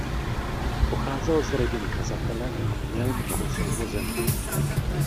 Pocházel z rodiny kazatele a měl mnoho sourozenců.